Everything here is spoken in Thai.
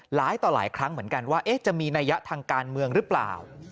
หลายต่อหลายครั้งเหมือนกันว่าจะมีนัยยะทางการเมืองหรือเปล่า